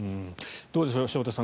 どうでしょう、潮田さん